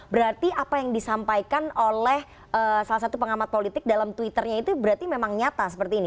berarti apa yang disampaikan oleh salah satu pengamat politik dalam twitternya itu berarti memang nyata seperti ini